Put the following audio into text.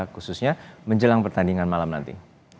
khususnya menjelang pertandingan malam nanti